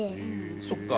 そっか。